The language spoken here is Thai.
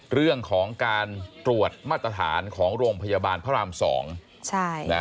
เรื่องของการตรวจมาตรฐานของโรงพยาบาลพระราม๒